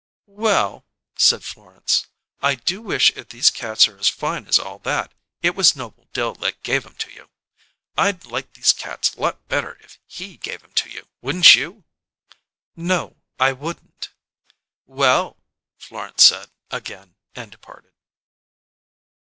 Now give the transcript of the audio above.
"Well," said Florence; "I do wish if these cats are as fine as all that, it was Noble Dill that gave 'em to you. I'd like these cats lots better if he gave 'em to you, wouldn't you?" "No, I wouldn't." "Well " Florence said again, and departed.